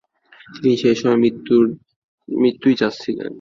তিনি সে সময় মৃত্যুই চাচ্ছিলেন।